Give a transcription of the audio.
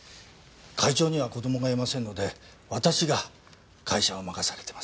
会長には子供がいませんので私が会社を任されてます。